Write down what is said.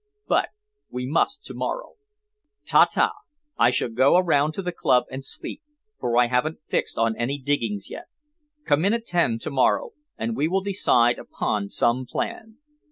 But we must to morrow. Ta ta! I shall go around to the club and sleep, for I haven't fixed on any diggings yet. Come in at ten to morrow, and we will decide upon some plan.